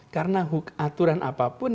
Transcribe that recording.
karena aturan apapun